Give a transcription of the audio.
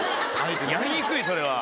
やりにくいそれは。